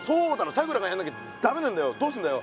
さくらがやんなきゃだめなんだよどうすんだよ。